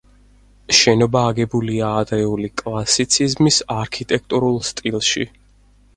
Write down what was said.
შენობა აგებულია ადრეული კლასიციზმის არქიტექტურულ სტილში.